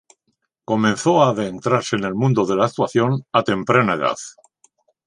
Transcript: Comenzó a adentrarse en el mundo de la actuación a temprana edad.